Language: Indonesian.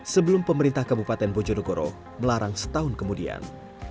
sebelum pemerintah kabupaten bojonegoro melarang setahun kemudian